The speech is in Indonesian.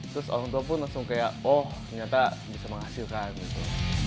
terus orang tua pun langsung kayak oh ternyata bisa menghasilkan gitu